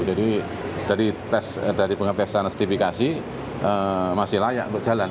jadi dari pengetesan sertifikasi masih layak untuk jalan